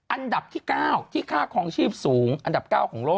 อันดับที่๙ที่ค่าความชีพสูง